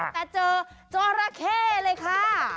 แต่เจอจอราเข้เลยค่ะ